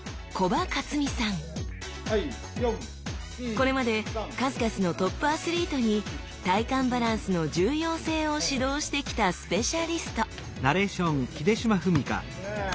これまで数々のトップアスリートに体幹バランスの重要性を指導してきたスペシャリスト！